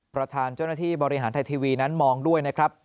ประธานเจ้าหน้าที่บริหารไทยทีวีนั้นมองด้วยนะครับ